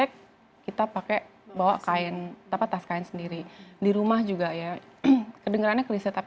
kalau misalnya kita kita mengurangi pemakaian plastik